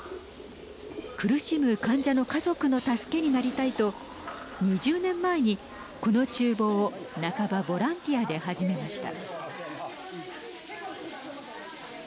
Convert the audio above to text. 苦しむ患者の家族の助けになりたいと２０年前にこのちゅう房を半ばボランティアで始めました。